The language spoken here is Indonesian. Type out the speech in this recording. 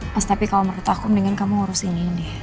mas tapi kalau menurut aku mendingan kamu ngurus ini